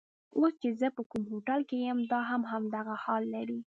اوس چې زه په کوم هوټل کې یم دا هم همدغه حال لري.